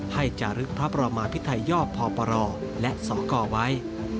ให้จ่ารึกพระบรมพิธายอบพอบรและสกไว้